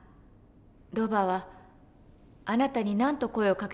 ロバはあなたに何と声をかけたのですか？